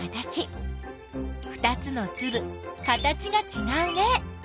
ふたつのつぶ形がちがうね。